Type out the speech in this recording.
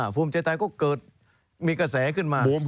ภูมิใจไทยก็เกิดมีกระแสขึ้นมา